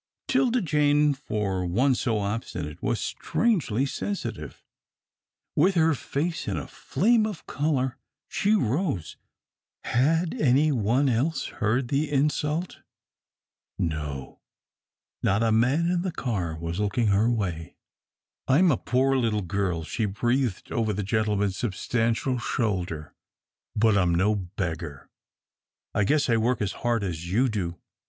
'Tilda Jane, for one so obstinate, was strangely sensitive. With her face in a flame of colour, she rose. Had any one else heard the insult? No, not a man in the car was looking her way. "I'm a poor little girl," she breathed over the gentleman's substantial shoulder, "but I'm no beggar. I guess I work as hard as you do.